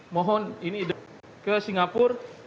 mohon ini ke singapura